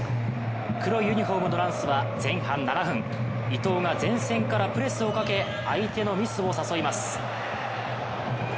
黒いユニフォームのランスは前半７分、伊東が前線からプレスをかけ相手のミスを誘います。